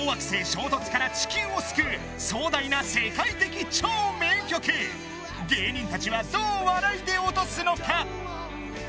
衝突から地球を救う壮大な世界的超名曲芸人達はどう笑いでオトすのか